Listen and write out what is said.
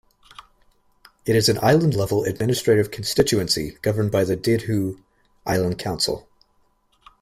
It is an island-level administrative constituency governed by the Dhidhdhoo Island Council.